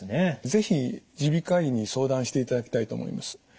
是非耳鼻科医に相談していただきたいと思います。